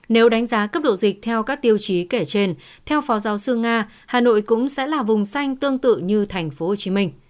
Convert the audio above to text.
nếu đánh giá cấp độ dịch theo các tiêu chí kể trên theo phó giáo sư nga hà nội cũng sẽ là vùng xanh tương tự như tp hcm